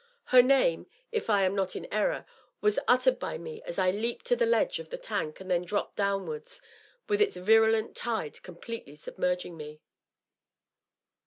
Her name, if I am not in error, was uttered by me as I leaped on the ledge of the tank and then dropped downward, with its virulent tide completely submerging me.